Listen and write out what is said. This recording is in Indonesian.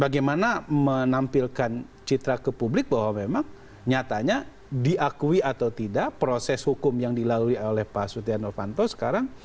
bagaimana menampilkan citra ke publik bahwa memang nyatanya diakui atau tidak proses hukum yang dilalui oleh pak sutiano fanto sekarang